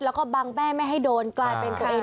แล้วก็บังแม่ไม่ให้โดนกลายเป็นตัวเอง